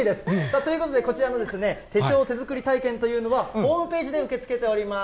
ということで、こちらの手帳手作り体験というのは、ホームページで受け付けております。